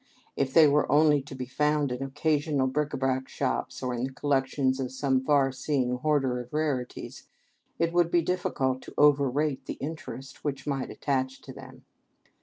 If they were only to be found in occasional bric ├Ā brac shops or in the collections of some far seeing hoarder of rarities, it would be difficult to overrate the interest which might attach to them.